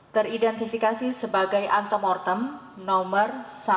teridentifikasi sebagai antemortem nomor satu ratus tujuh puluh enam